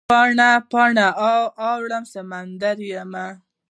پاڼه، پاڼه اوړم سمندریمه